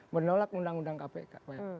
menolak undang undang kpk